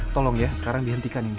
tolong ya sekarang dihentikan ini